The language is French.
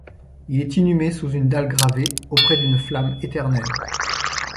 Il est inhumé sous une dalle gravée, auprès d’une flamme éternelle.